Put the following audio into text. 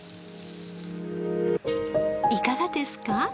いかがですか？